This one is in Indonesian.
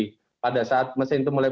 nah pada saat mesin itu mulai